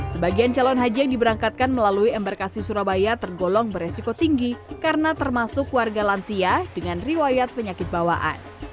sebagian calon haji yang diberangkatkan melalui embarkasi surabaya tergolong beresiko tinggi karena termasuk warga lansia dengan riwayat penyakit bawaan